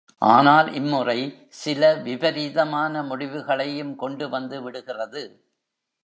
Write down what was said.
ஆனால் இம் முறை சில விபரீதமான முடிவுகளையும் கொண்டுவந்து விடுகிறது.